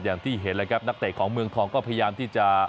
อย่างที่เห็นแล้วครับนักเตะของเมืองทองก็พยายามที่จะ